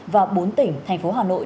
và bốn tỉnh thành phố hà nội